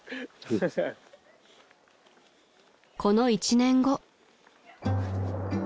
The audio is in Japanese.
［この１年後］